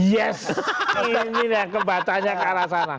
yes ini yang kebatanya ke arah sana